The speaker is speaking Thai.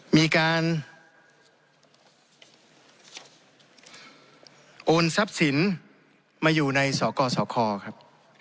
มีการโอนทรัพย์สินมาอยู่ในสกสคครับ